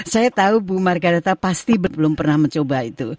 saya tahu bu margaretha pasti belum pernah mencoba itu